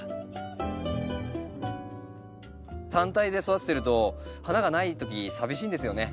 単体で育ててると花がない時寂しいんですよね。